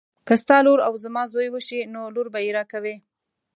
که ستا لور او زما زوی وشي نو لور به یې راکوي.